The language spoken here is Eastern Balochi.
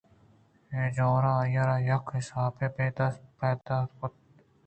اے جوراں آئی ءَ را یک حسابے ءَبے دست ءُپادکُتگ اَت